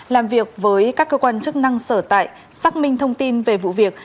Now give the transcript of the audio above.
làm việc với các cơ quan chức năng sở tại xác minh thông tin về vụ việc